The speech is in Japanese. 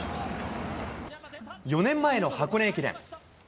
４年前の箱根駅伝。